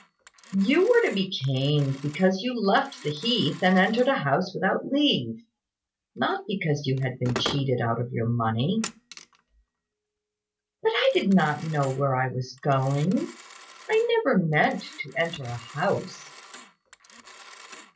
"You were to be caned because you left the heath and entered a house without leave not because you had been cheated of your money." "But I did not know where I was going. I never meant to enter a house."